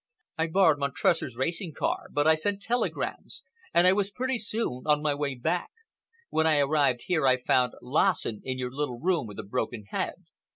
I borrowed Montresor's racing car, but I sent telegrams, and I was pretty soon on my way back. When I arrived here, I found Lassen in your little room with a broken head.